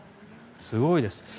すごいです。